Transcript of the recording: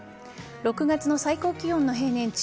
６月の最高気温の平年値